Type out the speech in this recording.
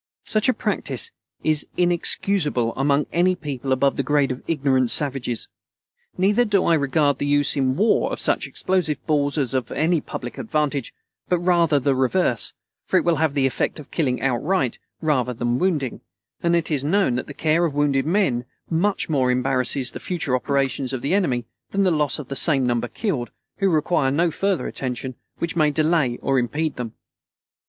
Such a practice is inexcusable among any people above the grade of ignorant savages. Neither do I regard the use in war of such explosive balls as of any public advantage, but rather the reverse; for it will have the effect of killing outright, rather than wounding, and it is known that the care of wounded men much more embarrasses the future operations of the enemy than the loss of the same number killed, who require no further attention which may delay or impede them.